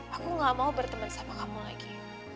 aku gak mau berteman sama kamu lagi